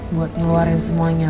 buat ngeluarin semuanya